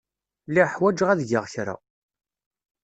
Lliɣ ḥwajeɣ ad geɣ kra.